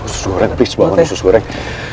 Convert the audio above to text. susu goreng please bangun susu goreng